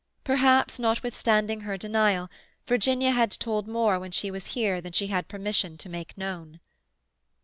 Perhaps, notwithstanding her denial, Virginia had told more when she was here than she had permission to make known.